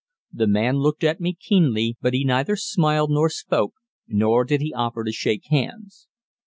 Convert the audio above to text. The man looked at me keenly, but he neither smiled nor spoke, nor did he offer to shake hands.